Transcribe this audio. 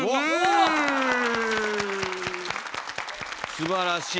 すばらしい。